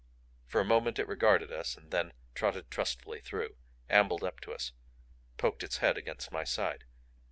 For a moment it regarded us and then trotted trustfully through; ambled up to us; poked its head against my side.